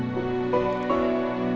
masalah yang ini